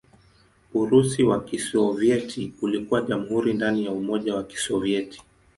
Urusi wa Kisovyeti ulikuwa jamhuri ndani ya Umoja wa Kisovyeti.